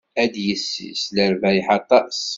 Ad d-yessis lerbayeḥ aṭas.